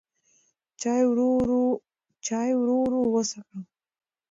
چای ورو ورو وڅښه.